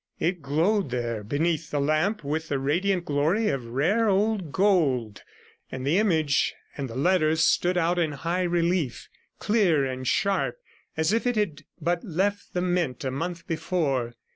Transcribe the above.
It glowed there beneath the lamp with the radiant glory of rare old gold; and the image and the letters stood out in high relief, 11 clear and sharp, as if it had but left the mint a month before.